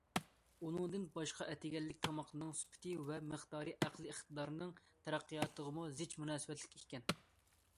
ئۇنىڭدىن باشقا، ئەتىگەنلىك تاماقنىڭ سۈپىتى ۋە مىقدارى ئەقلى ئىقتىدارنىڭ تەرەققىياتىغىمۇ زىچ مۇناسىۋەتلىك ئىكەن.